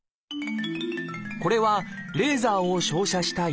これはレーザーを照射した翌日の状態。